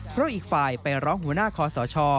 เพราะอีกฝ่ายไปร้องหัวหน้าคอสช